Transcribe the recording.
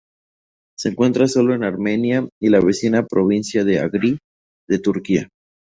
Se encuentra sólo en Armenia y la vecina provincia de Agri de Turquía.